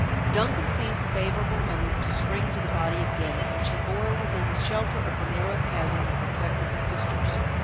Duncan seized the favorable moment to spring to the body of Gamut, which he bore within the shelter of the narrow chasm that protected the sisters.